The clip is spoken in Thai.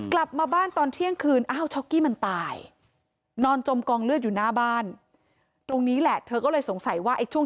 กลับมาบ้านตอนเที่ยงคืนช็อกกี้มันตาย